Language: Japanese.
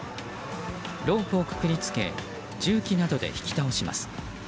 ロープをくくり付け重機などで引き倒します。